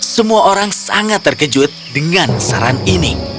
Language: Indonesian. semua orang sangat terkejut dengan saran ini